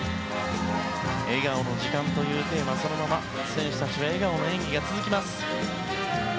笑顔の時間というテーマそのまま選手たちは笑顔の演技が続きます。